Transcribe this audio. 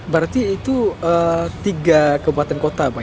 berarti itu tiga kepulauan kota